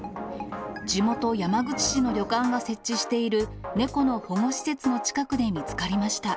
地元、山口市の旅館が設置している、猫の保護施設の近くで見つかりました。